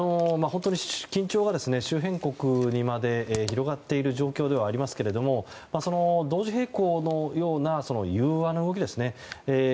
本当に緊張は周辺国にまで広がっている状況ではありますけど同時並行のような宥和の動きですね。